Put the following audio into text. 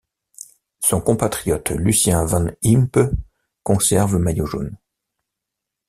Son compatriote Lucien Van Impe conserve le maillot jaune.